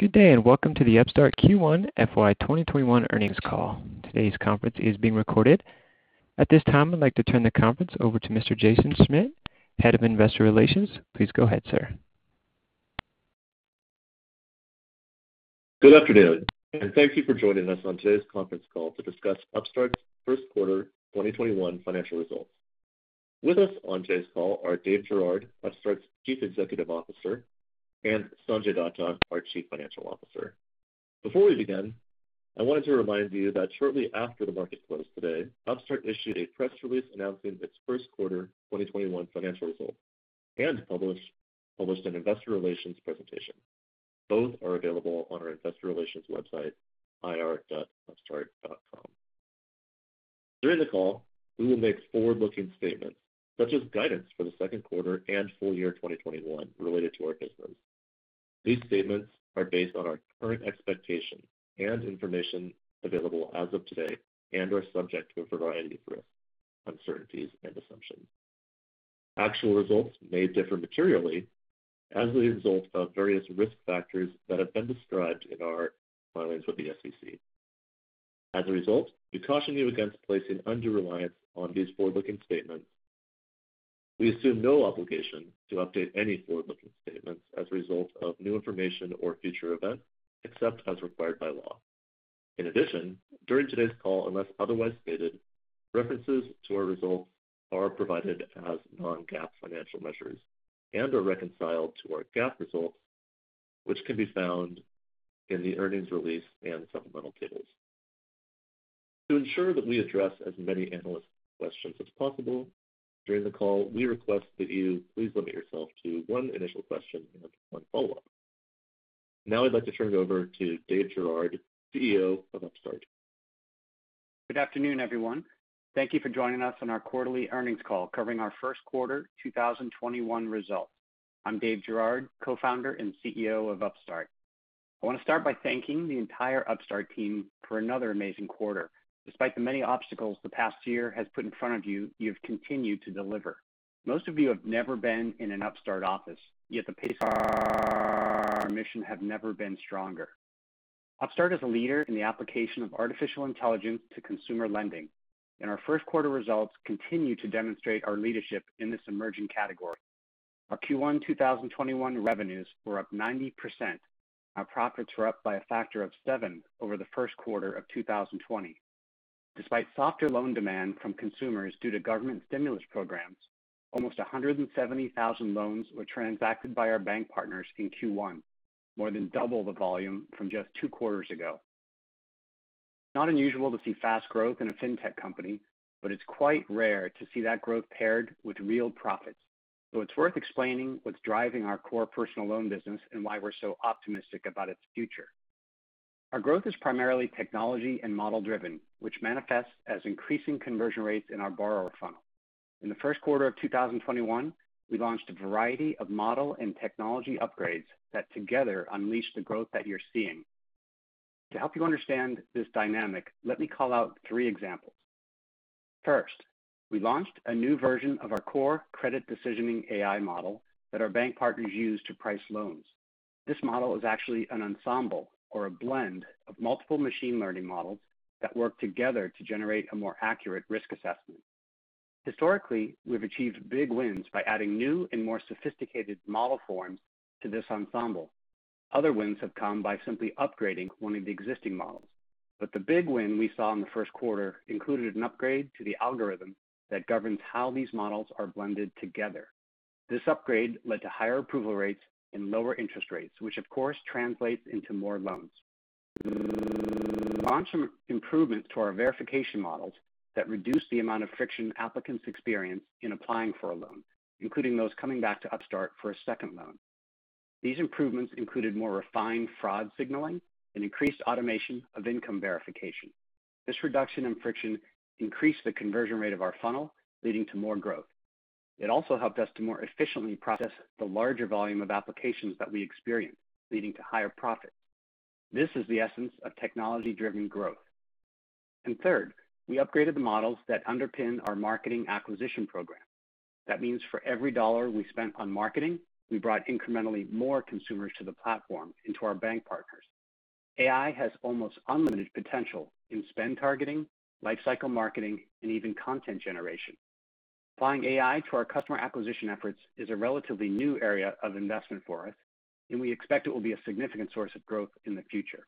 Good day, welcome to the Upstart Q1 FY 2021 earnings call. Today's conference is being recorded. At this time, I'd like to turn the conference over to Mr. Jason Schmidt, Head of Investor Relations. Please go ahead, sir. Good afternoon, and thank you for joining us on today's conference call to discuss Upstart's first quarter 2021 financial results. With us on today's call are Dave Girouard, Upstart's Chief Executive Officer, and Sanjay Datta, our Chief Financial Officer. Before we begin, I wanted to remind you that shortly after the market closed today, Upstart issued a press release announcing its first quarter 2021 financial results, and published an investor relations presentation. Both are available on our investor relations website, ir.upstart.com. During the call, we will make forward-looking statements, such as guidance for the second quarter and full year 2021 related to our business. These statements are based on our current expectations and information available as of today and are subject to a variety of risks, uncertainties, and assumptions. Actual results may differ materially as a result of various risk factors that have been described in our filings with the SEC. As a result, we caution you against placing undue reliance on these forward-looking statements. We assume no obligation to update any forward-looking statements as a result of new information or future events, except as required by law. In addition, during today's call, unless otherwise stated, references to our results are provided as non-GAAP financial measures and are reconciled to our GAAP results, which can be found in the earnings release and supplemental tables. To ensure that we address as many analyst questions as possible during the call, we request that you please limit yourself to one initial question and one follow-up. Now I'd like to turn it over to Dave Girouard, CEO of Upstart. Good afternoon, everyone. Thank you for joining us on our quarterly earnings call covering our first quarter 2021 results. I'm Dave Girouard, co-founder and CEO of Upstart. I want to start by thanking the entire Upstart team for another amazing quarter. Despite the many obstacles the past year has put in front of you've continued to deliver. Most of you have never been in an Upstart office, yet the pace of our mission have never been stronger. Upstart is a leader in the application of artificial intelligence to consumer lending. Our first quarter results continue to demonstrate our leadership in this emerging category. Our Q1 2021 revenues were up 90%. Our profits were up by a factor of seven over the first quarter of 2020. Despite softer loan demand from consumers due to government stimulus programs, almost 170,000 loans were transacted by our bank partners in Q1, more than double the volume from just two quarters ago. It's not unusual to see fast growth in a fintech company, but it's quite rare to see that growth paired with real profits. It's worth explaining what's driving our core personal loan business and why we're so optimistic about its future. Our growth is primarily technology and model driven, which manifests as increasing conversion rates in our borrower funnel. In the first quarter of 2021, we launched a variety of model and technology upgrades that together unleashed the growth that you're seeing. To help you understand this dynamic, let me call out three examples. First, we launched a new version of our core credit decisioning AI model that our bank partners use to price loans. This model is actually an ensemble or a blend of multiple machine learning models that work together to generate a more accurate risk assessment. Historically, we've achieved big wins by adding new and more sophisticated model forms to this ensemble. Other wins have come by simply upgrading one of the existing models. The big win we saw in the first quarter included an upgrade to the algorithm that governs how these models are blended together. This upgrade led to higher approval rates and lower interest rates, which of course translates into more loans. We launched some improvements to our verification models that reduce the amount of friction applicants experience in applying for a loan, including those coming back to Upstart for a second loan. These improvements included more refined fraud signaling and increased automation of income verification. This reduction in friction increased the conversion rate of our funnel, leading to more growth. It also helped us to more efficiently process the larger volume of applications that we experienced, leading to higher profits. This is the essence of technology-driven growth. Third, we upgraded the models that underpin our marketing acquisition program. That means for every dollar we spent on marketing, we brought incrementally more consumers to the platform and to our bank partners. AI has almost unlimited potential in spend targeting, life cycle marketing, and even content generation. Applying AI to our customer acquisition efforts is a relatively new area of investment for us, and we expect it will be a significant source of growth in the future.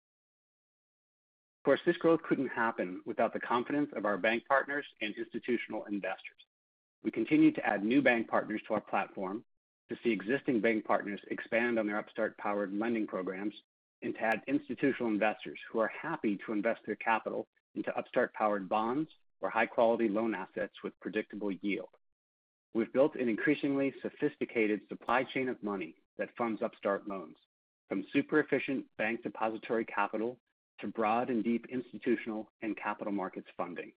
Of course, this growth couldn't happen without the confidence of our bank partners and institutional investors. We continue to add new bank partners to our platform, to see existing bank partners expand on their Upstart-powered lending programs, and to add institutional investors who are happy to invest their capital into Upstart-powered bonds or high-quality loan assets with predictable yield. We've built an increasingly sophisticated supply chain of money that funds Upstart loans, from super efficient bank depository capital to broad and deep institutional and capital markets funding.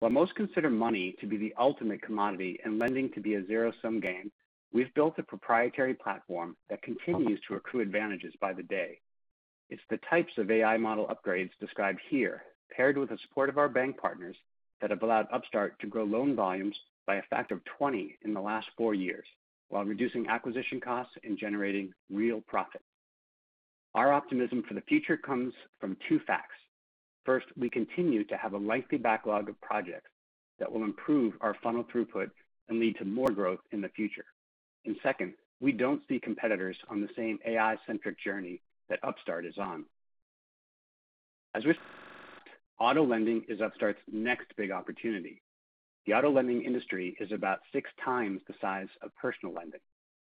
While most consider money to be the ultimate commodity and lending to be a zero-sum game, we've built a proprietary platform that continues to accrue advantages by the day. It's the types of AI model upgrades described here, paired with the support of our bank partners, that have allowed Upstart to grow loan volumes by a factor of 20 in the last four years while reducing acquisition costs and generating real profit. Our optimism for the future comes from two facts. First, we continue to have a lengthy backlog of projects that will improve our funnel throughput and lead to more growth in the future. Second, we don't see competitors on the same AI-centric journey that Upstart is on. As we've auto lending is Upstart's next big opportunity. The auto lending industry is about six times the size of personal lending,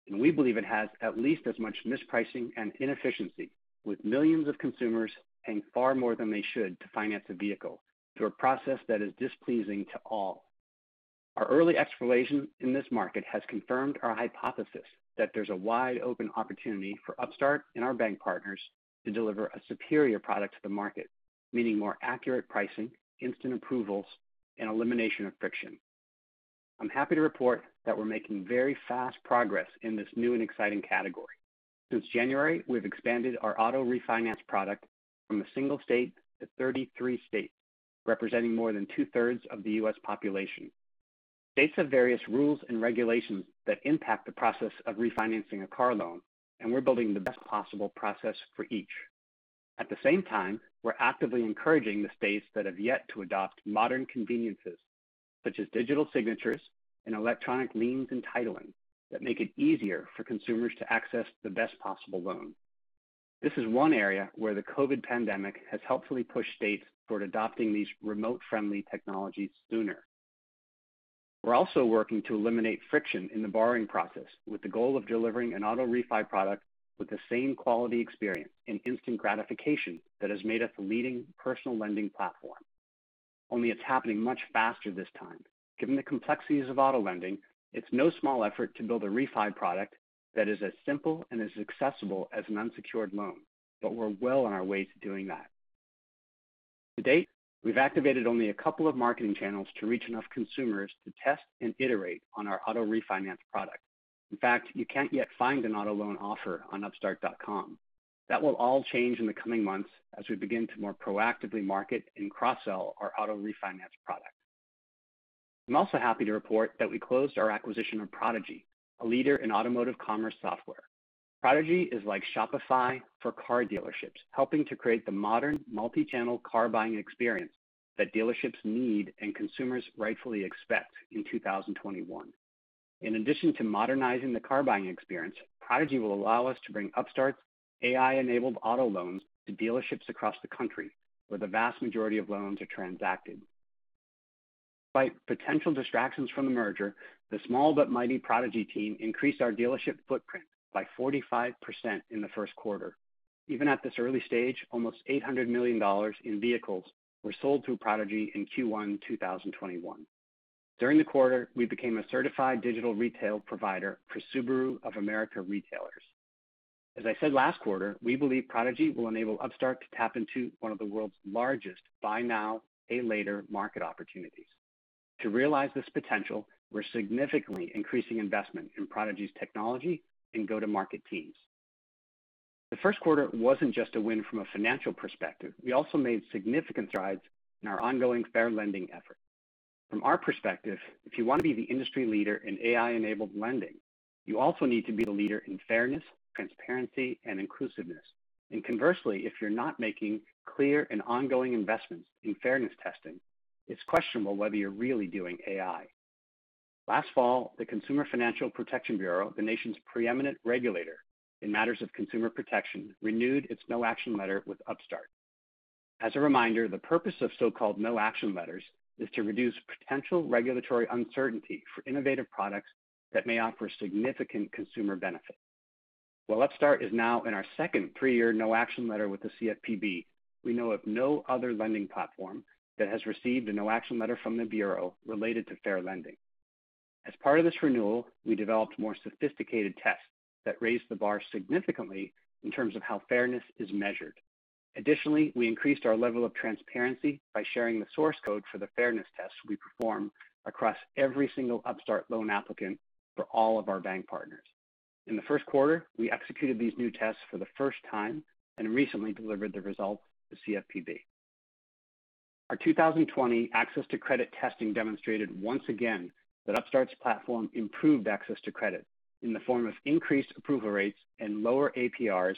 and we believe it has at least as much mispricing and inefficiency, with millions of consumers paying far more than they should to finance a vehicle through a process that is displeasing to all. Our early exploration in this market has confirmed our hypothesis that there's a wide open opportunity for Upstart and our bank partners to deliver a superior product to the market, meaning more accurate pricing, instant approvals, and elimination of friction. I'm happy to report that we're making very fast progress in this new and exciting category. Since January, we've expanded our auto refinance product from a single state to 33 states, representing more than two-thirds of the U.S. population. States have various rules and regulations that impact the process of refinancing a car loan. We're building the best possible process for each. At the same time, we're actively encouraging the states that have yet to adopt modern conveniences such as digital signatures and electronic liens and titling that make it easier for consumers to access the best possible loan. This is one area where the COVID pandemic has helpfully pushed states toward adopting these remote-friendly technologies sooner. We're also working to eliminate friction in the borrowing process with the goal of delivering an auto refi product with the same quality experience and instant gratification that has made us a leading personal lending platform. Only it's happening much faster this time. Given the complexities of auto lending, it's no small effort to build a refi product that is as simple and as accessible as an unsecured loan, but we're well on our way to doing that. To date, we've activated only a couple of marketing channels to reach enough consumers to test and iterate on our auto refinance product. In fact, you can't yet find an auto loan offer on upstart.com. That will all change in the coming months as we begin to more proactively market and cross-sell our auto refinance product. I'm also happy to report that we closed our acquisition of Prodigy, a leader in automotive commerce software. Prodigy is like Shopify for car dealerships, helping to create the modern multi-channel car buying experience that dealerships need and consumers rightfully expect in 2021. In addition to modernizing the car buying experience, Prodigy will allow us to bring Upstart's AI-enabled auto loans to dealerships across the country where the vast majority of loans are transacted. By potential distractions from the merger, the small but mighty Prodigy team increased our dealership footprint by 45% in the first quarter. Even at this early stage, almost $800 million in vehicles were sold through Prodigy in Q1 2021. During the quarter, we became a certified digital retail provider for Subaru of America retailers. As I said last quarter, we believe Prodigy will enable Upstart to tap into one of the world's largest buy now, pay later market opportunities. To realize this potential, we're significantly increasing investment in Prodigy's technology and go-to-market teams. The first quarter wasn't just a win from a financial perspective. We also made significant strides in our ongoing fair lending effort. From our perspective, if you want to be the industry leader in AI-enabled lending, you also need to be the leader in fairness, transparency, and inclusiveness. Conversely, if you're not making clear and ongoing investments in fairness testing, it's questionable whether you're really doing AI. Last fall, the Consumer Financial Protection Bureau, the nation's preeminent regulator in matters of consumer protection, renewed its no-action letter with Upstart. As a reminder, the purpose of so-called no-action letters is to reduce potential regulatory uncertainty for innovative products that may offer significant consumer benefit. While Upstart is now in our second three-year no-action letter with the CFPB, we know of no other lending platform that has received a no-action letter from the Bureau related to fair lending. As part of this renewal, we developed more sophisticated tests that raised the bar significantly in terms of how fairness is measured. Additionally, we increased our level of transparency by sharing the source code for the fairness tests we perform across every single Upstart loan applicant for all of our bank partners. In the first quarter, we executed these new tests for the first time and recently delivered the results to CFPB. Our 2020 access to credit testing demonstrated once again that Upstart's platform improved access to credit in the form of increased approval rates and lower APRs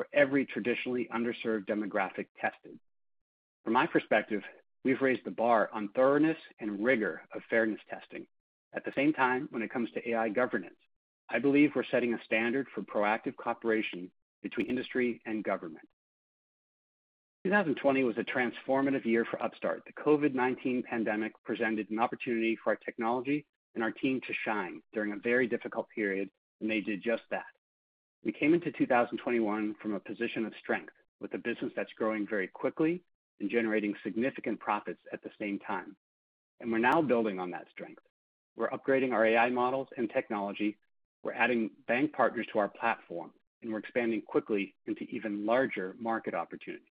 for every traditionally underserved demographic tested. From my perspective, we've raised the bar on thoroughness and rigor of fairness testing. At the same time, when it comes to AI governance, I believe we're setting a standard for proactive cooperation between industry and government. 2020 was a transformative year for Upstart. The COVID-19 pandemic presented an opportunity for our technology and our team to shine during a very difficult period, and they did just that. We came into 2021 from a position of strength with a business that's growing very quickly and generating significant profits at the same time. We're now building on that strength. We're upgrading our AI models and technology. We're adding bank partners to our platform, and we're expanding quickly into even larger market opportunities.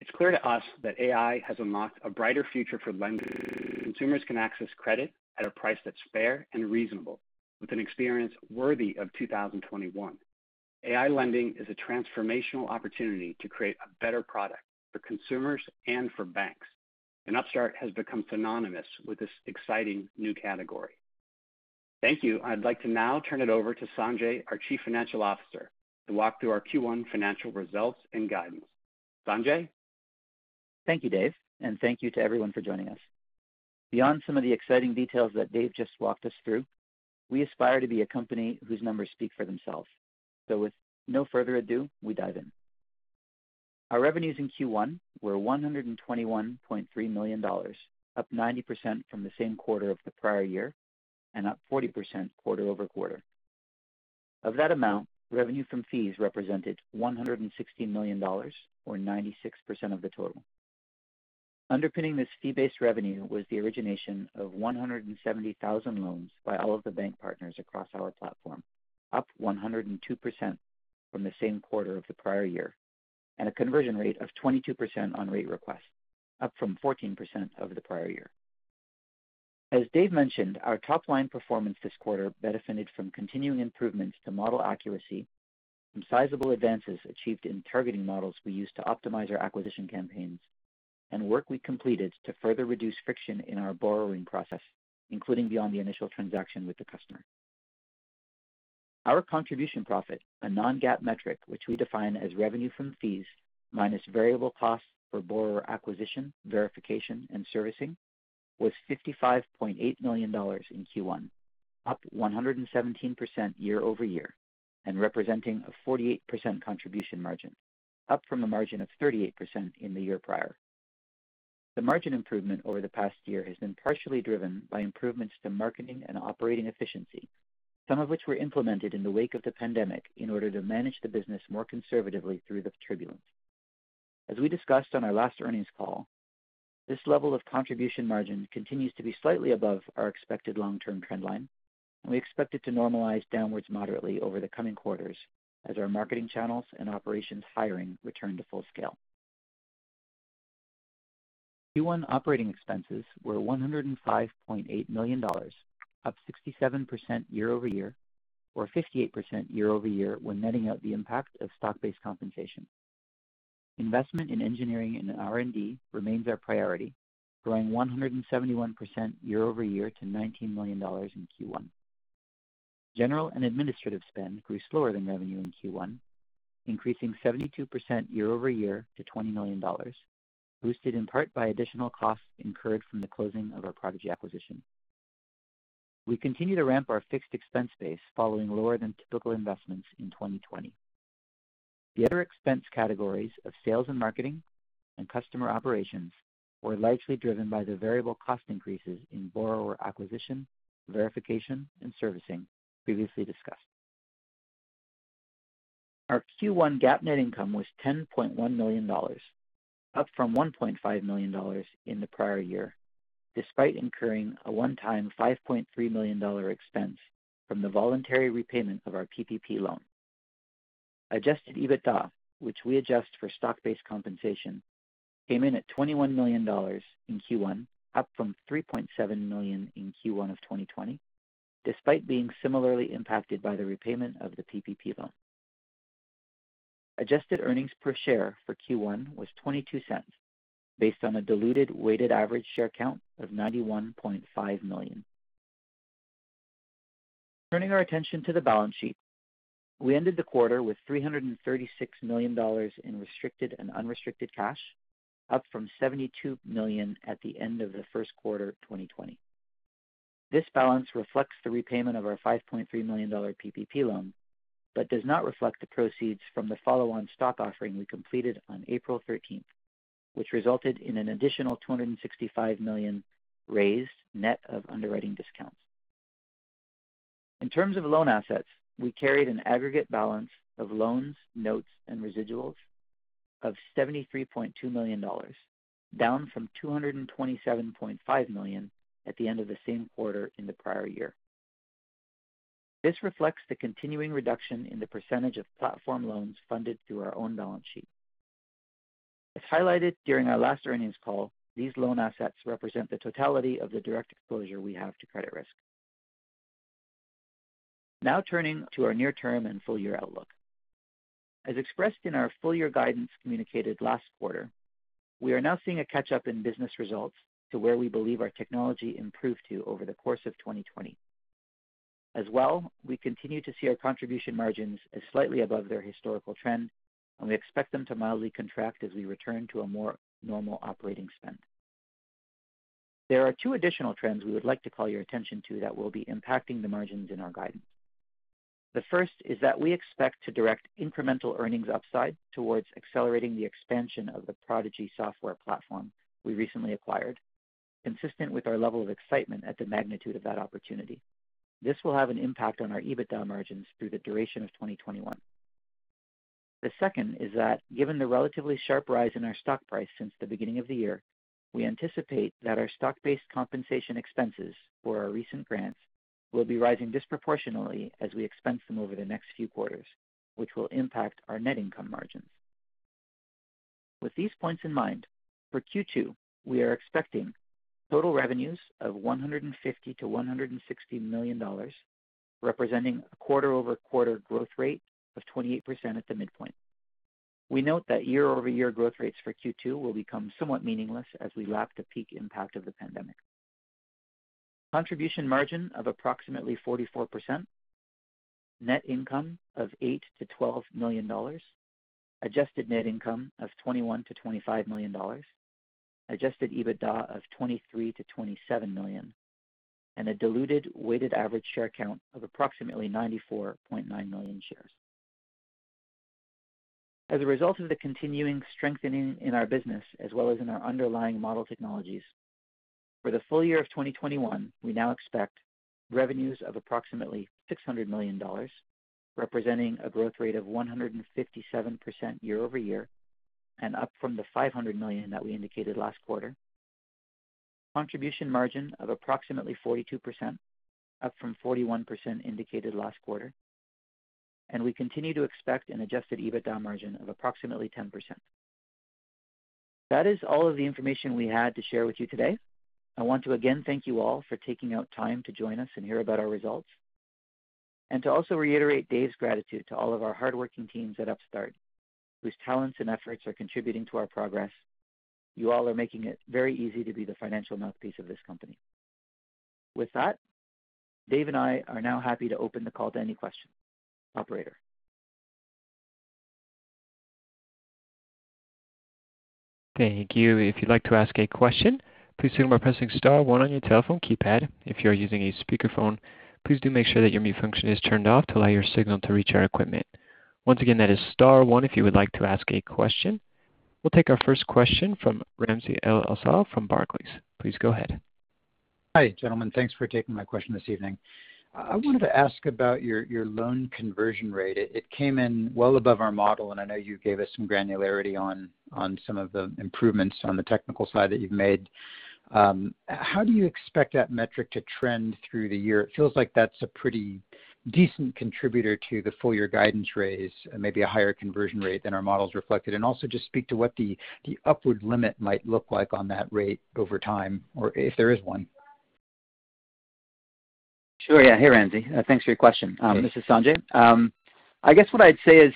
It's clear to us that AI has unlocked a brighter future for lenders. Consumers can access credit at a price that's fair and reasonable with an experience worthy of 2021. AI lending is a transformational opportunity to create a better product for consumers and for banks. Upstart has become synonymous with this exciting new category. Thank you. I'd like to now turn it over to Sanjay, our Chief Financial Officer, to walk through our Q1 financial results and guidance. Sanjay? Thank you, Dave, and thank you to everyone for joining us. Beyond some of the exciting details that Dave just walked us through, we aspire to be a company whose numbers speak for themselves. With no further ado, we dive in. Our revenues in Q1 were $121.3 million, up 90% from the same quarter of the prior year, and up 40% QoQ. Of that amount, revenue from fees represented $116 million, or 96% of the total. Underpinning this fee-based revenue was the origination of 170,000 loans by all of the bank partners across our platform, up 102% from the same quarter of the prior year, and a conversion rate of 22% on rate requests, up from 14% over the prior year. As Dave mentioned, our top-line performance this quarter benefited from continuing improvements to model accuracy, some sizable advances achieved in targeting models we use to optimize our acquisition campaigns, and work we completed to further reduce friction in our borrowing process, including beyond the initial transaction with the customer. Our contribution profit, a non-GAAP metric, which we define as revenue from fees minus variable costs for borrower acquisition, verification, and servicing, was $55.8 million in Q1, up 117% YoY, and representing a 48% contribution margin, up from a margin of 38% in the year prior. The margin improvement over the past year has been partially driven by improvements to marketing and operating efficiency, some of which were implemented in the wake of the pandemic in order to manage the business more conservatively through the turbulence. As we discussed on our last earnings call, this level of contribution margin continues to be slightly above our expected long-term trend line, and we expect it to normalize downwards moderately over the coming quarters as our marketing channels and operations hiring return to full scale. Q1 operating expenses were $105.8 million, up 67% YoY, or 58% YoY when netting out the impact of stock-based compensation. Investment in engineering and R&D remains our priority, growing 171% YoY to $19 million in Q1. General and administrative spend grew slower than revenue in Q1, increasing 72% YoY to $20 million, boosted in part by additional costs incurred from the closing of our Prodigy acquisition. We continue to ramp our fixed expense base following lower than typical investments in 2020. The other expense categories of sales and marketing and customer operations were largely driven by the variable cost increases in borrower acquisition, verification, and servicing previously discussed. Our Q1 GAAP net income was $10.1 million, up from $1.5 million in the prior year, despite incurring a one-time $5.3 million expense from the voluntary repayment of our PPP loan. Adjusted EBITDA, which we adjust for stock-based compensation, came in at $21 million in Q1, up from $3.7 million in Q1 of 2020, despite being similarly impacted by the repayment of the PPP loan. Adjusted earnings per share for Q1 was $0.22, based on a diluted weighted average share count of 91.5 million. Turning our attention to the balance sheet, we ended the quarter with $336 million in restricted and unrestricted cash, up from $72 million at the end of the first quarter 2020. This balance reflects the repayment of our $5.3 million PPP loan, but does not reflect the proceeds from the follow-on stock offering we completed on April 13th, which resulted in an additional $265 million raised net of underwriting discounts. In terms of loan assets, we carried an aggregate balance of loans, notes, and residuals of $73.2 million, down from $227.5 million at the end of the same quarter in the prior year. This reflects the continuing reduction in the percentage of platform loans funded through our own balance sheet. As highlighted during our last earnings call, these loan assets represent the totality of the direct exposure we have to credit risk. Now turning to our near-term and full-year outlook. As expressed in our full year guidance communicated last quarter, we are now seeing a catch-up in business results to where we believe our technology improved to over the course of 2020. As well, we continue to see our contribution margins as slightly above their historical trend, and we expect them to mildly contract as we return to a more normal operating spend. There are two additional trends we would like to call your attention to that will be impacting the margins in our guidance. The first is that we expect to direct incremental earnings upside towards accelerating the expansion of the Prodigy Software platform we recently acquired, consistent with our level of excitement at the magnitude of that opportunity. This will have an impact on our EBITDA margins through the duration of 2021. The second is that given the relatively sharp rise in our stock price since the beginning of the year, we anticipate that our stock-based compensation expenses for our recent grants will be rising disproportionately as we expense them over the next few quarters, which will impact our net income margins. With these points in mind, for Q2, we are expecting total revenues of $150 million-$160 million, representing a QoQ growth rate of 28% at the midpoint. We note that YoY growth rates for Q2 will become somewhat meaningless as we lap the peak impact of the pandemic. Contribution margin of approximately 44%. Net income of $8 million-$12 million. Adjusted net income of $21 million-$25 million. Adjusted EBITDA of $23 million-$27 million, and a diluted weighted average share count of approximately 94.9 million shares. As a result of the continuing strengthening in our business as well as in our underlying model technologies, for the full year of 2021, we now expect revenues of approximately $600 million, representing a growth rate of 157% YoY, and up from the $500 million that we indicated last quarter. Contribution margin of approximately 42%, up from 41% indicated last quarter. We continue to expect an adjusted EBITDA margin of approximately 10%. That is all of the information we had to share with you today. I want to again thank you all for taking out time to join us and hear about our results. To also reiterate Dave's gratitude to all of our hardworking teams at Upstart, whose talents and efforts are contributing to our progress. You all are making it very easy to be the financial mouthpiece of this company. With that, Dave and I are now happy to open the call to any questions. Operator? Thank you. If you'd like to ask a question, please signal by pressing star one on your telephone keypad. If you are using a speakerphone, please do make sure that your mute function is turned off to allow your signal to reach our equipment. Once again, that is star one if you would like to ask a question. We'll take our first question from Ramsey El-Assal from Barclays. Please go ahead. Hi, gentlemen. Thanks for taking my question this evening. I wanted to ask about your loan conversion rate. It came in well above our model, and I know you gave us some granularity on some of the improvements on the technical side that you've made. How do you expect that metric to trend through the year? It feels like that's a pretty decent contributor to the full-year guidance raise, maybe a higher conversion rate than our models reflected. Also, just speak to what the upward limit might look like on that rate over time, or if there is one. Sure, yeah. Hey, Ramsey. Thanks for your question. Okay. This is Sanjay. I guess what I'd say is,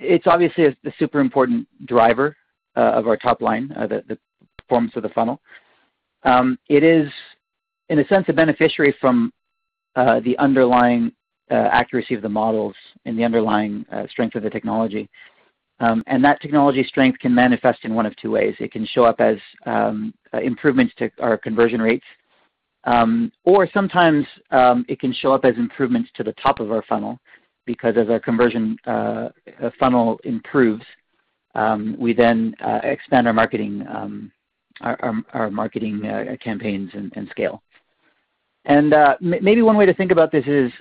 it's obviously a super important driver of our top line, the performance of the funnel. It is, in a sense, a beneficiary from the underlying accuracy of the models and the underlying strength of the technology. That technology strength can manifest in one of two ways. It can show up as improvements to our conversion rates. Sometimes it can show up as improvements to the top of our funnel because as our conversion funnel improves, we then expand our marketing campaigns and scale. Maybe one way to think about this is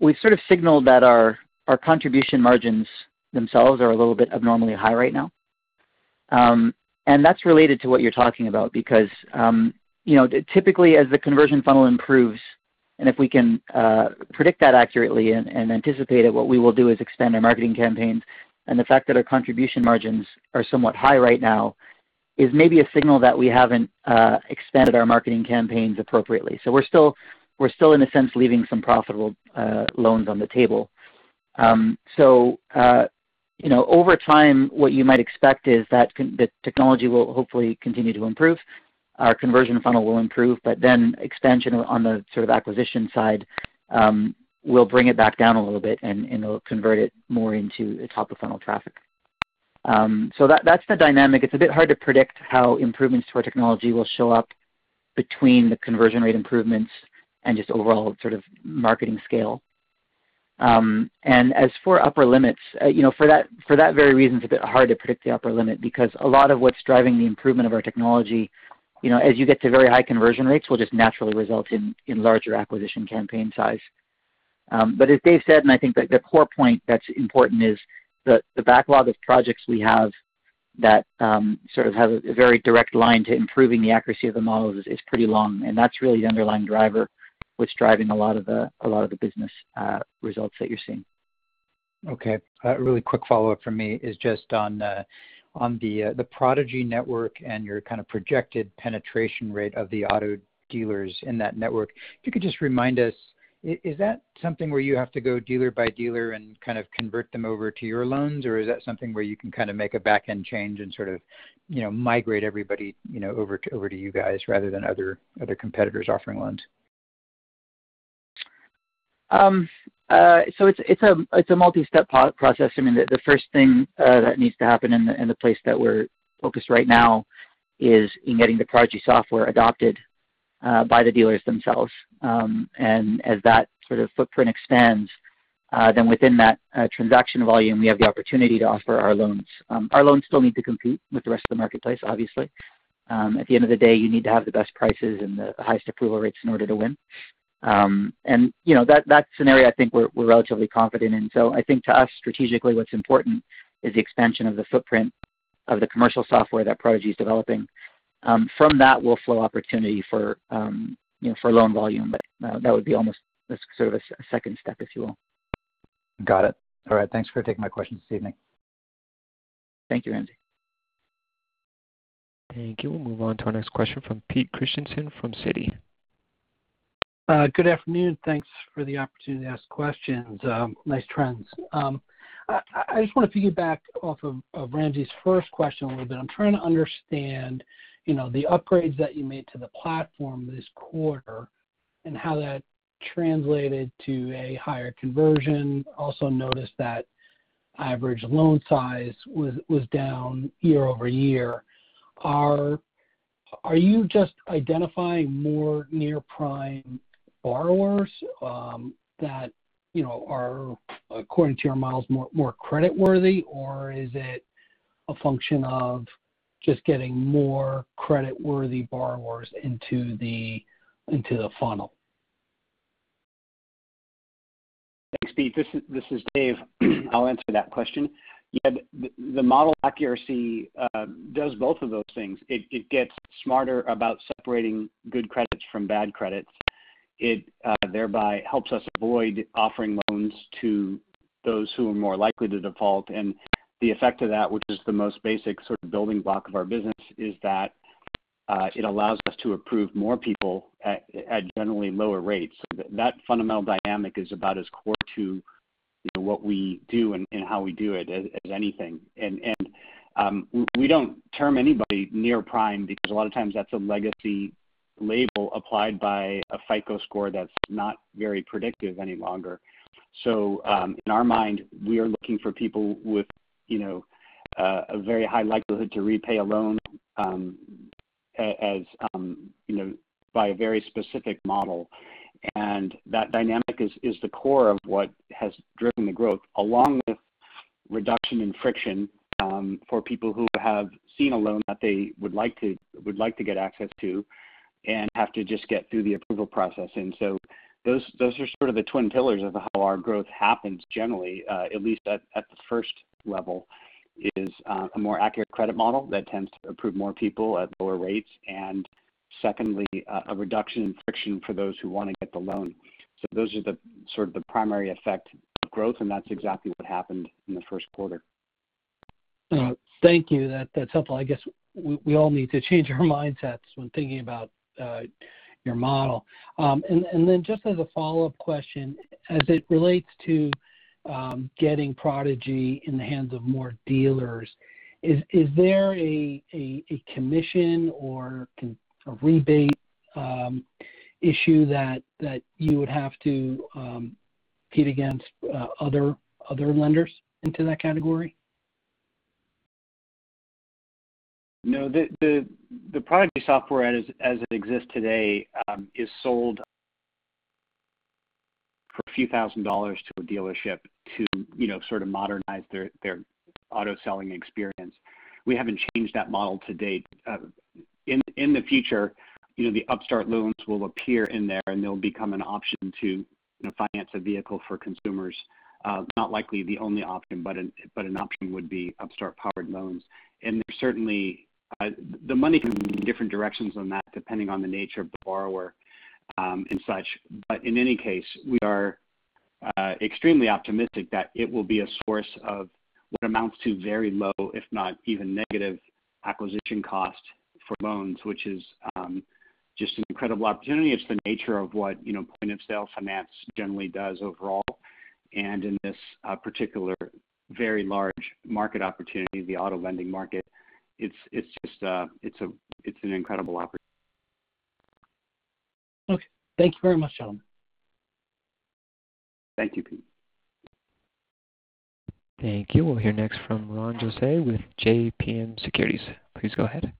we've sort of signaled that our contribution margins themselves are a little bit abnormally high right now. That's related to what you're talking about because typically, as the conversion funnel improves, and if we can predict that accurately and anticipate it, what we will do is expand our marketing campaigns. The fact that our contribution margins are somewhat high right now is maybe a signal that we haven't expanded our marketing campaigns appropriately. We're still, in a sense, leaving some profitable loans on the table. Over time, what you might expect is that the technology will hopefully continue to improve. Our conversion funnel will improve, but then expansion on the sort of acquisition side will bring it back down a little bit, and it'll convert it more into top-of-funnel traffic. That's the dynamic. It's a bit hard to predict how improvements to our technology will show up between the conversion rate improvements and just overall sort of marketing scale. As for upper limits, for that very reason, it's a bit hard to predict the upper limit because a lot of what's driving the improvement of our technology, as you get to very high conversion rates, will just naturally result in larger acquisition campaign size. As Dave said, and I think the core point that's important is the backlog of projects we have that sort of has a very direct line to improving the accuracy of the models is pretty long, and that's really the underlying driver, what's driving a lot of the business results that you're seeing. Okay. A really quick follow-up from me is just on the Prodigy network and your kind of projected penetration rate of the auto dealers in that network. If you could just remind us, is that something where you have to go dealer by dealer and kind of convert them over to your loans? Is that something where you can kind of make a back-end change and sort of migrate everybody over to you guys rather than other competitors offering loans? It's a multi-step process. I mean, the first thing that needs to happen and the place that we're focused right now is in getting the Prodigy software adopted by the dealers themselves. As that sort of footprint expands, then within that transaction volume, we have the opportunity to offer our loans. Our loans still need to compete with the rest of the marketplace, obviously. At the end of the day, you need to have the best prices and the highest approval rates in order to win. That scenario, I think we're relatively confident in. I think to us, strategically, what's important is the expansion of the footprint. Of the commercial software that Prodigy's developing. From that will flow opportunity for loan volume, but that would be almost sort of a second step, if you will. Got it. All right. Thanks for taking my questions this evening. Thank you, Ramsey. Thank you. We'll move on to our next question from Peter Christiansen from Citi. Good afternoon. Thanks for the opportunity to ask questions. Nice trends. I just want to piggyback off of Ramsey's first question a little bit. I'm trying to understand the upgrades that you made to the platform this quarter and how that translated to a higher conversion. Also noticed that average loan size was down YoY. Are you just identifying more near-prime borrowers that are, according to your models, more creditworthy? Is it a function of just getting more creditworthy borrowers into the funnel? Thanks, Pete. This is Dave. I'll answer that question. Yeah, the model accuracy does both of those things. It gets smarter about separating good credits from bad credits. It thereby helps us avoid offering loans to those who are more likely to default. The effect of that, which is the most basic sort of building block of our business, is that it allows us to approve more people at generally lower rates. That fundamental dynamic is about as core to what we do and how we do it as anything. We don't term anybody near prime because a lot of times that's a legacy label applied by a FICO score that's not very predictive any longer. In our mind, we are looking for people with a very high likelihood to repay a loan by a very specific model. That dynamic is the core of what has driven the growth, along with reduction in friction for people who have seen a loan that they would like to get access to and have to just get through the approval process. Those are sort of the twin pillars of how our growth happens generally, at least at the first level, is a more accurate credit model that tends to approve more people at lower rates, and secondly, a reduction in friction for those who want to get the loan. Those are the sort of the primary effect of growth, and that's exactly what happened in the first quarter. Thank you. That's helpful. I guess we all need to change our mindsets when thinking about your model. Just as a follow-up question, as it relates to getting Prodigy in the hands of more dealers, is there a commission or a rebate issue that you would have to compete against other lenders into that category? No. The Prodigy Software as it exists today is sold for a few thousand dollars to a dealership to sort of modernize their auto selling experience. We haven't changed that model to date. In the future, the Upstart loans will appear in there, they'll become an option to finance a vehicle for consumers. Not likely the only option, an option would be Upstart-powered loans. There's certainly The money can move in different directions on that depending on the nature of the borrower and such. In any case, we are extremely optimistic that it will be a source of what amounts to very low, if not even negative acquisition cost for loans, which is just an incredible opportunity. It's the nature of what point-of-sale finance generally does overall. In this particular very large market opportunity, the auto lending market, it's an incredible opportunity. Okay. Thank you very much, gentlemen. Thank you, Peter. Thank you. We'll hear next from Ronald Josey with JMP Securities. Please go ahead.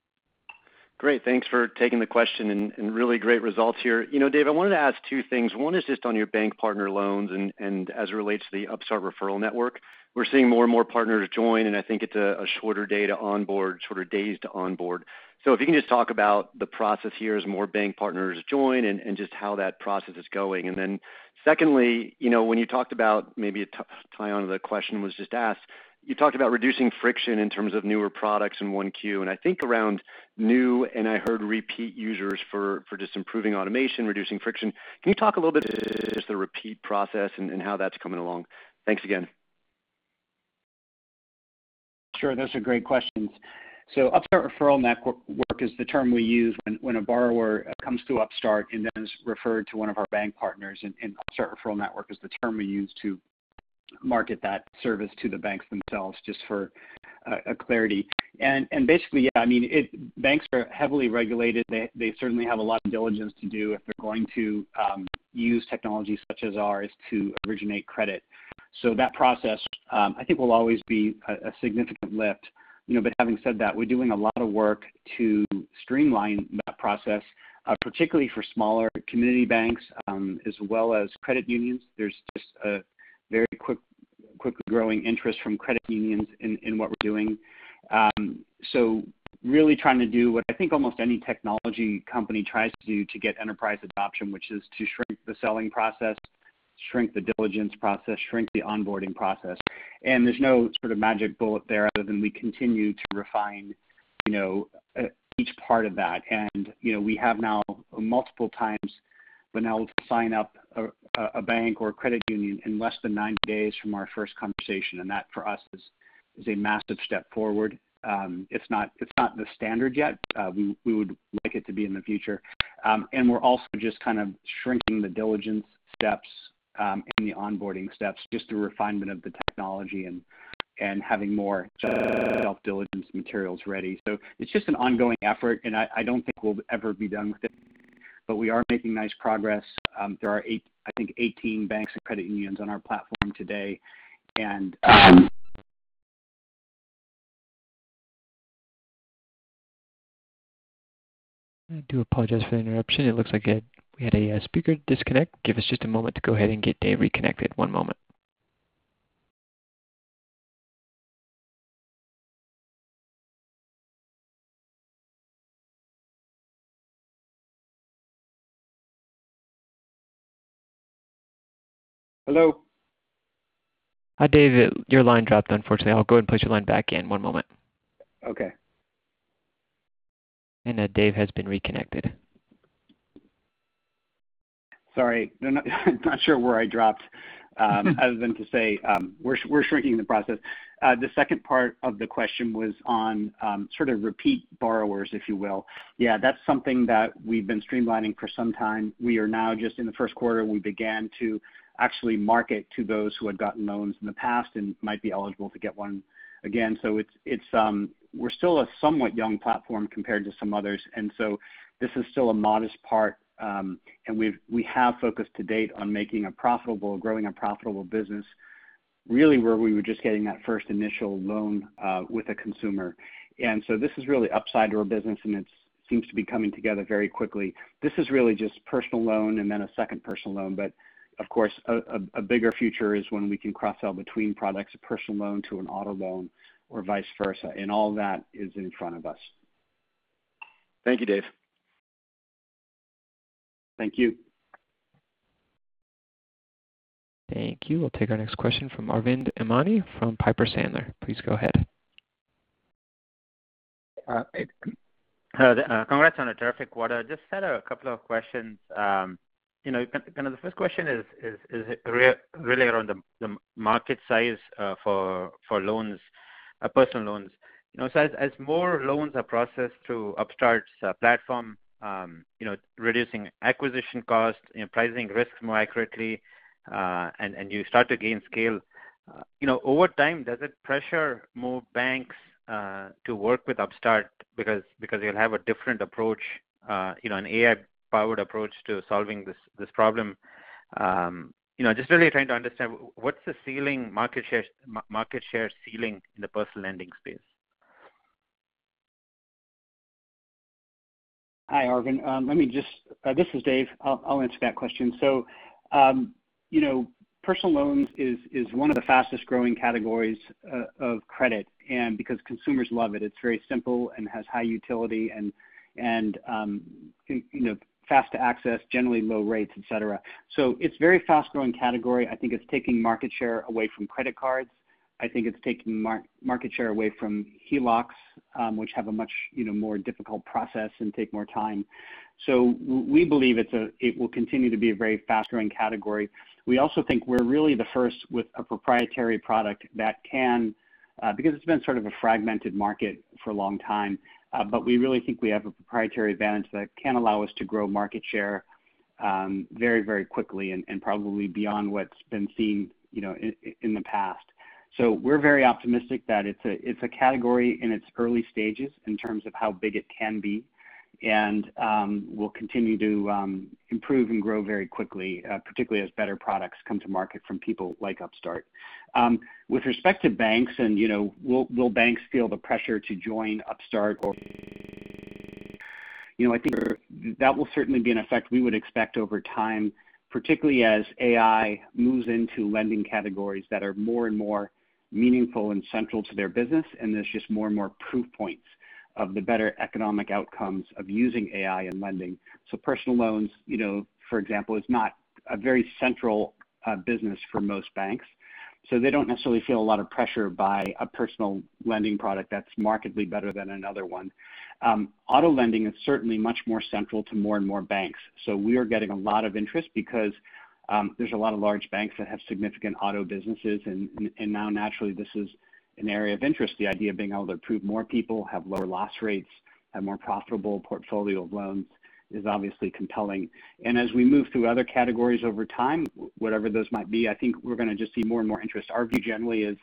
Great. Thanks for taking the question and really great results here. Dave, I wanted to ask two things. One is just on your bank partner loans and as it relates to the Upstart Referral Network. We're seeing more and more partners join, and I think it's a shorter days to onboard. If you can just talk about the process here as more bank partners join and just how that process is going. Secondly, when you talked about maybe to tie onto the question was just asked, you talked about reducing friction in terms of newer products in Q1. I think around new, and I heard repeat users for just improving automation, reducing friction. Can you talk a little bit just the repeat process and how that's coming along? Thanks again. Sure. Those are great questions. Upstart Referral Network is the term we use when a borrower comes through Upstart and then is referred to one of our bank partners. Upstart Referral Network is the term we use to market that service to the banks themselves, just for clarity. Basically, yeah, banks are heavily regulated. They certainly have a lot of diligence to do if they're going to use technology such as ours to originate credit. That process, I think, will always be a significant lift. Having said that, we're doing a lot of work to streamline that process, particularly for smaller community banks as well as credit unions. There's just a very quickly growing interest from credit unions in what we're doing. Really trying to do what I think almost any technology company tries to do to get enterprise adoption, which is to shrink the selling process. Shrink the diligence process, shrink the onboarding process. There's no sort of magic bullet there other than we continue to refine each part of that. We have now multiple times been able to sign up a bank or a credit union in less than 90 days from our first conversation. That for us is a massive step forward. It's not the standard yet. We would like it to be in the future. We're also just kind of shrinking the diligence steps and the onboarding steps, just the refinement of the technology and having more self-diligence materials ready. It's just an ongoing effort, and I don't think we'll ever be done with it. We are making nice progress. There are, I think, 18 banks and credit unions on our platform today. I do apologize for the interruption. It looks like we had a speaker disconnect. Give us just a moment to go ahead and get Dave reconnected. One moment. Hello? Hi, Dave. Your line dropped, unfortunately. I'll go ahead and place your line back in. One moment. Okay. Dave has been reconnected. Sorry. I'm not sure where I dropped other than to say we're shrinking the process. The second part of the question was on sort of repeat borrowers, if you will. Yeah, that's something that we've been streamlining for some time. We are now just in the first quarter, we began to actually market to those who had gotten loans in the past and might be eligible to get one again. We're still a somewhat young platform compared to some others, and so this is still a modest part. We have focused to date on making a profitable, growing a profitable business, really where we were just getting that first initial loan with a consumer. This is really upside to our business, and it seems to be coming together very quickly. This is really just personal loan and then a second personal loan. Of course, a bigger future is when we can cross-sell between products, a personal loan to an auto loan or vice versa, and all that is in front of us. Thank you, Dave. Thank you. Thank you. We'll take our next question from Arvind Ramani from Piper Sandler. Please go ahead. Hello there. Congrats on a terrific quarter. Had a couple of questions. The first question is really around the market size for personal loans. As more loans are processed through Upstart's platform reducing acquisition costs, pricing risks more accurately, and you start to gain scale, over time, does it pressure more banks to work with Upstart because they'll have a different approach, an AI-powered approach to solving this problem? Really trying to understand what's the market share ceiling in the personal lending space. Hi, Arvind. This is Dave. I'll answer that question. Personal loans is one of the fastest-growing categories of credit because consumers love it. It's very simple and has high utility and fast to access, generally low rates, et cetera. It's a very fast-growing category. I think it's taking market share away from credit cards. I think it's taking market share away from HELOCs which have a much more difficult process and take more time. We believe it will continue to be a very fast-growing category. We also think we're really the first with a proprietary product that can because it's been sort of a fragmented market for a long time. We really think we have a proprietary advantage that can allow us to grow market share very quickly and probably beyond what's been seen in the past. We're very optimistic that it's a category in its early stages in terms of how big it can be. We'll continue to improve and grow very quickly, particularly as better products come to market from people like Upstart. With respect to banks and will banks feel the pressure to join Upstart or I think that will certainly be an effect we would expect over time, particularly as AI moves into lending categories that are more and more meaningful and central to their business, and there's just more and more proof points of the better economic outcomes of using AI in lending. Personal loans for example, is not a very central business for most banks. They don't necessarily feel a lot of pressure by a personal lending product that's markedly better than another one. Auto lending is certainly much more central to more and more banks. We are getting a lot of interest because there's a lot of large banks that have significant auto businesses, and now naturally, this is an area of interest. The idea of being able to approve more people, have lower loss rates, have more profitable portfolio of loans is obviously compelling. As we move through other categories over time, whatever those might be, I think we're going to just see more and more interest. Our view generally is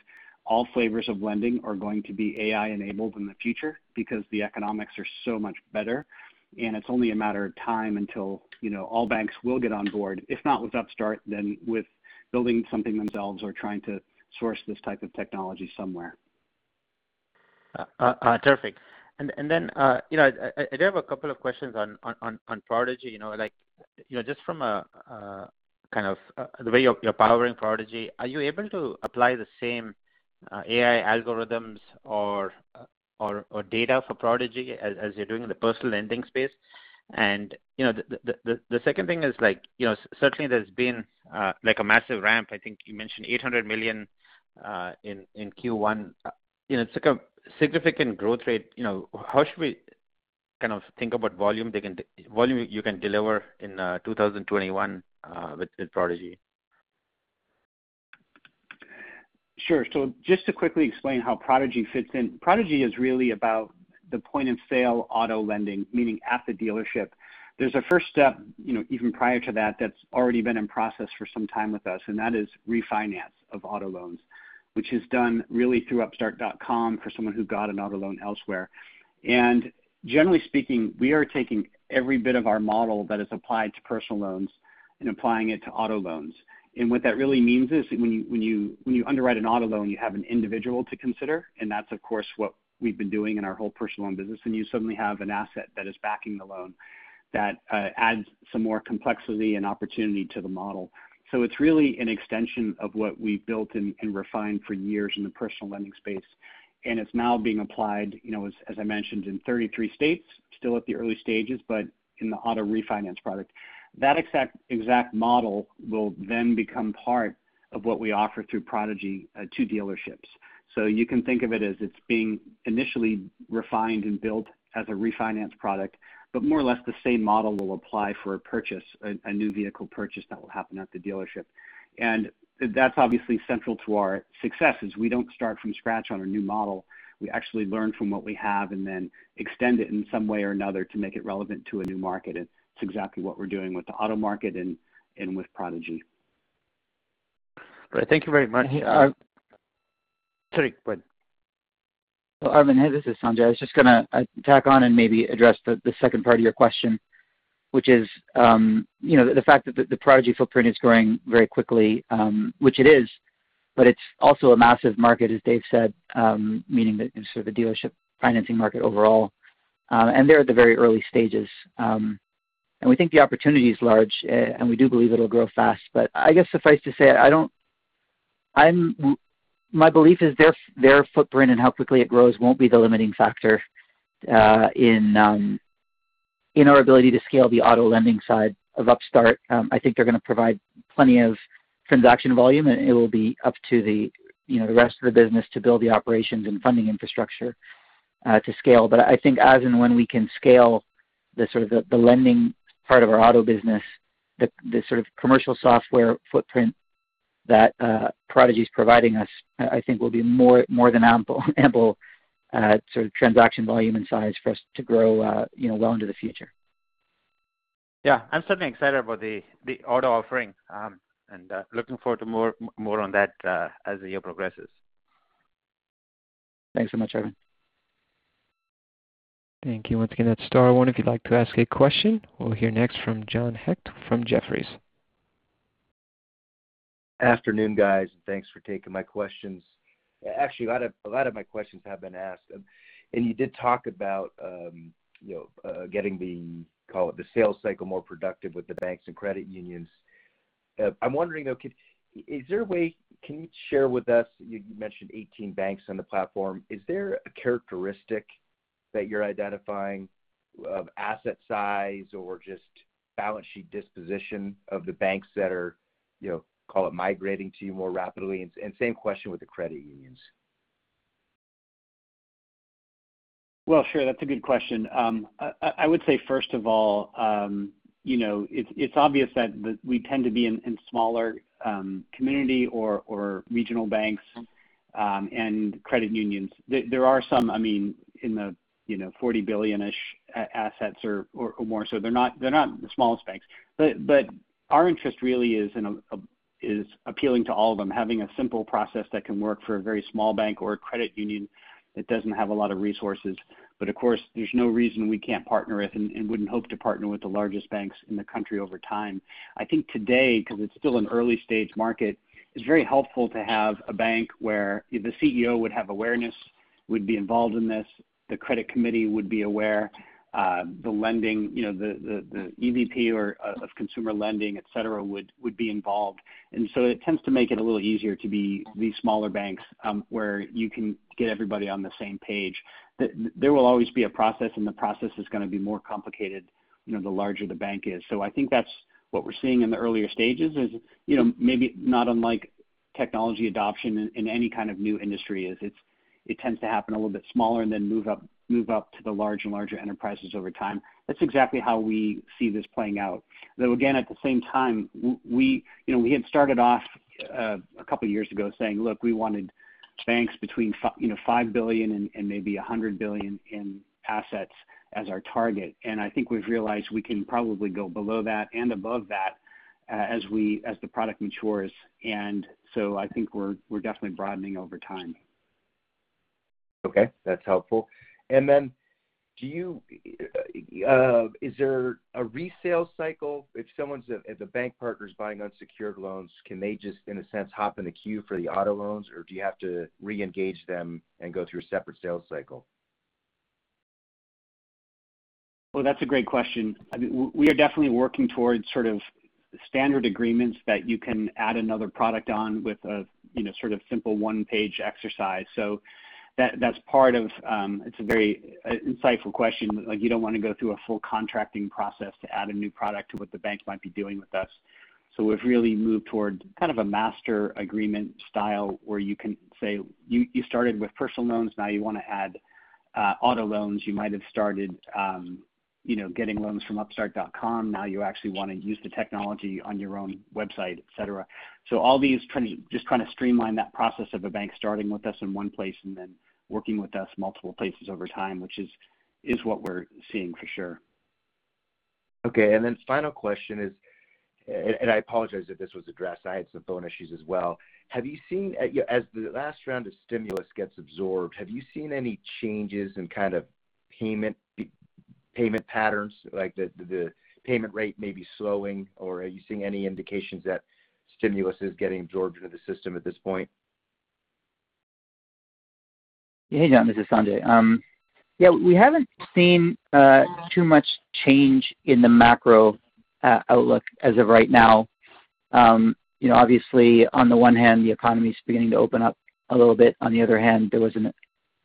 all flavors of lending are going to be AI-enabled in the future because the economics are so much better, and it's only a matter of time until all banks will get on board, if not with Upstart, then with building something themselves or trying to source this type of technology somewhere. Terrific. I do have a couple of questions on Prodigy. Just from the way you're powering Prodigy, are you able to apply the same AI algorithms or data for Prodigy as you're doing in the personal lending space. The second thing is certainly there's been a massive ramp. I think you mentioned $800 million in Q1. It's like a significant growth rate. How should we think about volume you can deliver in 2021 with Prodigy? Sure. Just to quickly explain how Prodigy fits in. Prodigy is really about the point-of-sale auto lending, meaning at the dealership. There's a first step even prior to that's already been in process for some time with us, and that is refinance of auto loans, which is done really through upstart.com for someone who got an auto loan elsewhere. Generally speaking, we are taking every bit of our model that is applied to personal loans and applying it to auto loans. What that really means is when you underwrite an auto loan, you have an individual to consider, and that's of course what we've been doing in our whole personal loan business, and you suddenly have an asset that is backing the loan that adds some more complexity and opportunity to the model. It's really an extension of what we've built and refined for years in the personal lending space. It's now being applied, as I mentioned, in 33 states. Still at the early stages, but in the auto refinance product. That exact model will then become part of what we offer through Prodigy to dealerships. You can think of it as it's being initially refined and built as a refinance product, but more or less the same model will apply for a new vehicle purchase that will happen at the dealership. That's obviously central to our success, is we don't start from scratch on a new model. We actually learn from what we have and then extend it in some way or another to make it relevant to a new market, and it's exactly what we're doing with the auto market and with Prodigy. Right. Thank you very much. Hey, Sorry, go ahead. Arvind, hey, this is Sanjay. I was just going to tack on and maybe address the second part of your question, which is the fact that the Prodigy footprint is growing very quickly, which it is, but it's also a massive market, as Dave said, meaning that in sort of the dealership financing market overall. They're at the very early stages. We think the opportunity is large, and we do believe it'll grow fast. I guess suffice to say, my belief is their footprint and how quickly it grows won't be the limiting factor in our ability to scale the auto lending side of Upstart. I think they're going to provide plenty of transaction volume, and it will be up to the rest of the business to build the operations and funding infrastructure to scale. I think as and when we can scale the lending part of our auto business, the sort of commercial software footprint that Prodigy's providing us I think will be more than ample sort of transaction volume and size for us to grow well into the future. Yeah. I'm certainly excited about the auto offering, and looking forward to more on that as the year progresses. Thanks so much, Arvind. Thank you. Once again, that's star one if you'd like to ask a question. We'll hear next from John Hecht from Jefferies. Afternoon, guys. Thanks for taking my questions. Actually, a lot of my questions have been asked. You did talk about getting the, call it, the sales cycle more productive with the banks and credit unions. I'm wondering, though, can you share with us, you mentioned 18 banks on the platform. Is there a characteristic that you're identifying of asset size or just balance sheet disposition of the banks that are, call it, migrating to you more rapidly? Same question with the credit unions. Sure. That's a good question. I would say first of all it's obvious that we tend to be in smaller community or regional banks, and credit unions. There are some in the 40 billion-ish assets or more. They're not the smallest banks. Our interest really is appealing to all of them, having a simple process that can work for a very small bank or a credit union that doesn't have a lot of resources. Of course, there's no reason we can't partner with and wouldn't hope to partner with the largest banks in the country over time. I think today, because it's still an early-stage market, it's very helpful to have a bank where the CEO would have awareness, would be involved in this. The credit committee would be aware. The EVP of consumer lending, et cetera, would be involved. It tends to make it a little easier to be these smaller banks where you can get everybody on the same page. There will always be a process, and the process is going to be more complicated the larger the bank is. I think that's what we're seeing in the earlier stages is maybe not unlike technology adoption in any kind of new industry is it tends to happen a little bit smaller and then move up to the large and larger enterprises over time. That's exactly how we see this playing out. Again, at the same time we had started off a couple of years ago saying, look, we wanted banks between $5 billion and maybe $100 billion in assets as our target. I think we've realized we can probably go below that and above that as the product matures. I think we're definitely broadening over time. Okay. That's helpful. Then is there a resale cycle if the bank partner's buying unsecured loans, can they just, in a sense, hop in the queue for the auto loans or do you have to reengage them and go through a separate sales cycle? Well, that's a great question. We are definitely working towards sort of standard agreements that you can add another product on with a sort of simple one-page exercise. It's a very insightful question. You don't want to go through a full contracting process to add a new product to what the bank might be doing with us. We've really moved towards kind of a master agreement style where you can say you started with personal loans, now you want to add auto loans. You might have started getting loans from upstart.com, now you actually want to use the technology on your own website, et cetera. All these just kind of streamline that process of a bank starting with us in one place and then working with us multiple places over time, which is what we're seeing for sure. Okay. Final question is, and I apologize if this was addressed, I had some phone issues as well. As the last round of stimulus gets absorbed, have you seen any changes in kind of payment patterns? Like the payment rate may be slowing, or are you seeing any indications that stimulus is getting absorbed into the system at this point? Hey, John, this is Sanjay. Yeah, we haven't seen too much change in the macro outlook as of right now. Obviously, on the one hand, the economy's beginning to open up a little bit. On the other hand, there was a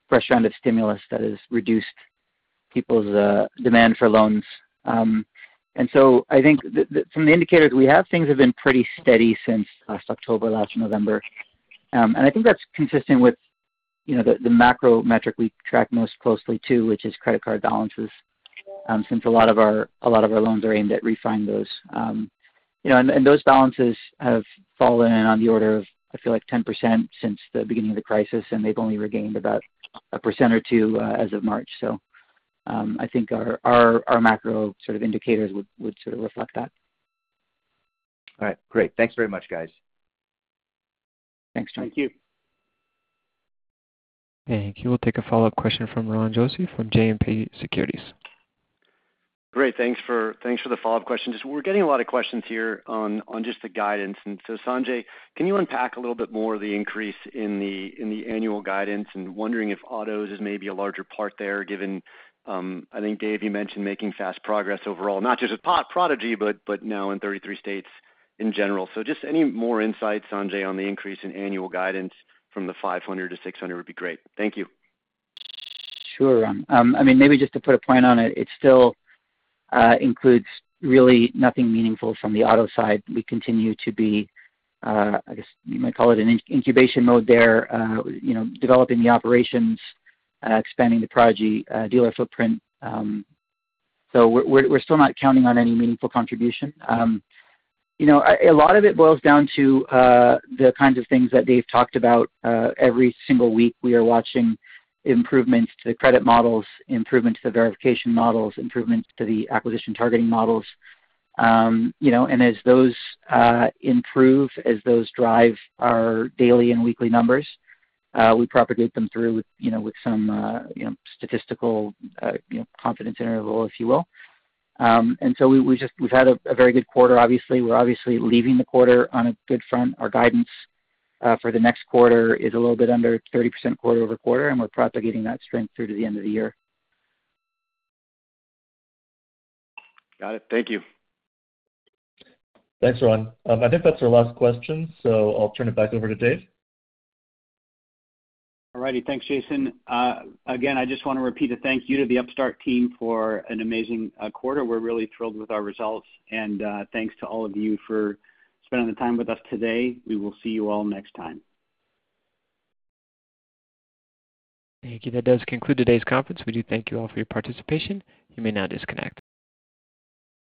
fresh round of stimulus that has reduced people's demand for loans. I think from the indicators we have, things have been pretty steady since last October, last November. I think that's consistent with the macro metric we track most closely to, which is credit card balances, since a lot of our loans are aimed at refying those. Those balances have fallen on the order of, I feel like 10% since the beginning of the crisis, and they've only regained about 1% or 2% as of March. I think our macro sort of indicators would sort of reflect that. All right, great. Thanks very much, guys. Thanks, John. Thank you. Thank you. We'll take a follow-up question from Ronald Josey from JMP Securities. Great. Thanks for the follow-up question. We're getting a lot of questions here on the guidance. Sanjay, can you unpack a little bit more the increase in the annual guidance and wondering if autos is maybe a larger part there given, I think Dave, you mentioned making fast progress overall, not just with Prodigy, but now in 33 states in general. Any more insight, Sanjay, on the increase in annual guidance from the 500 to 600 would be great. Thank you. Sure, Ron. Maybe just to put a point on it still includes really nothing meaningful from the auto side. We continue to be I guess you might call it in incubation mode there, developing the operations, expanding the Prodigy dealer footprint. We're still not counting on any meaningful contribution. A lot of it boils down to the kinds of things that Dave talked about. Every single week we are watching improvements to the credit models, improvements to the verification models, improvements to the acquisition targeting models. As those improve, as those drive our daily and weekly numbers we propagate them through with some statistical confidence interval, if you will. We've had a very good quarter, obviously. We're obviously leaving the quarter on a good front. Our guidance for the next quarter is a little bit under 30% QoQ, and we're propagating that strength through to the end of the year. Got it. Thank you. Thanks, Ron. I think that's our last question, so I'll turn it back over to Dave. All righty. Thanks, Jason. I just want to repeat a thank you to the Upstart team for an amazing quarter. We're really thrilled with our results. Thanks to all of you for spending the time with us today. We will see you all next time. Thank you. That does conclude today's conference. We do thank you all for your participation. You may now disconnect.